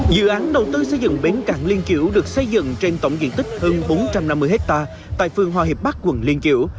dự án đầu tư xây dựng bến cảng liên chiểu được xây dựng trên tổng diện tích hơn bốn trăm năm mươi hectare tại phương hoa hiệp bắc quần liên chiểu